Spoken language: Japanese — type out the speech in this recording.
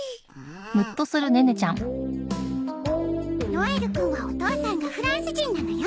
ノエルくんはお父さんがフランス人なのよ。